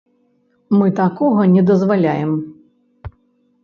Мы такога не дазваляем.